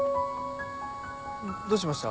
どうしました？